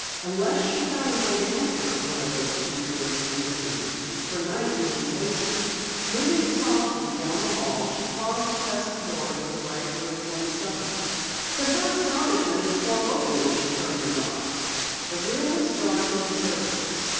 Unless she found a way to enter one of those two rooms of mystery, her night would be wasted. Moving softly down the hall, she paused to test the door to the right of Room 27. To her astonishment, it swung open when she turned the knob. The room was dark and deserted.